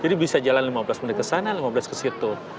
jadi bisa jalan lima belas menit kesana lima belas kesitu